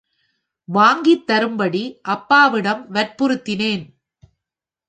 வாங்கித் தரும்படி அப்பாவிடம் வற்புறுத்தினேன்.